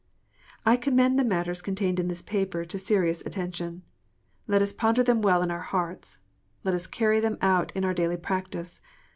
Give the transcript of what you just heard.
I commend the matters contained in this paper to serious attention. Let us ponder them well in our hearts. Let us carry them out in our daily practice.